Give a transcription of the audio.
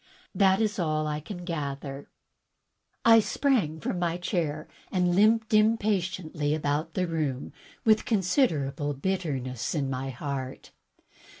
That is all I can gather." I sprang from my chair and limped impatiently about the room with considerable bitterness in my heart.